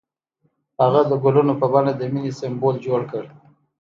هغه د ګلونه په بڼه د مینې سمبول جوړ کړ.